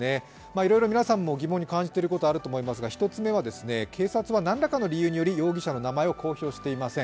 いろいろ皆さんも疑問に感じていることはあると思いますが１つ目は警察は何らかの理由により容疑者の名前を公表していません。